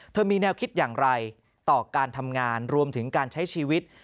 มีแนวคิดอย่างไรต่อการทำงานรวมถึงการใช้ชีวิต